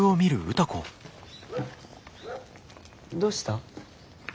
どうした？